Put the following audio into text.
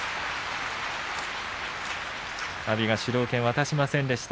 阿炎が主導権を渡しませんでした。